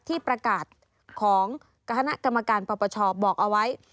ที่ประกาศของคณะกรรมการปปชบอกเอาไว้